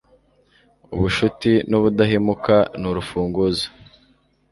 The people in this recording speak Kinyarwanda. Ubucuti nubudahemuka ni urufunguzo